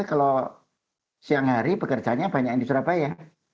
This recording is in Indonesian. kalau siang hari bekerjanya banyak yang di surabaya